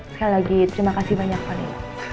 sekali lagi terima kasih banyak pak nino